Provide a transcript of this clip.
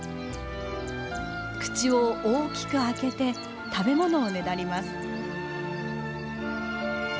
口を大きく開けて食べ物をねだります。